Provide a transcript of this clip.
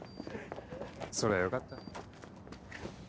そりゃよかった。